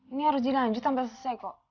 ini harus dilanjut sampai selesai kok